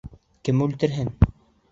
— Кем үлтерһен...